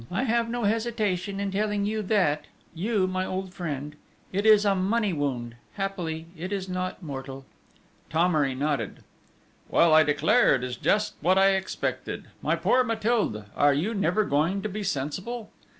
I have no hesitation in telling you that, you, my old friend: it is a money wound happily it is not mortal." Thomery nodded: "Well, I declare it is just what I expected! My poor Mathilde, are you never going to be sensible?"